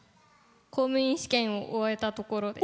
公務員試験を終えたところです。